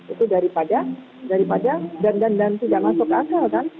itu daripada dandan dandan tidak masuk akal kan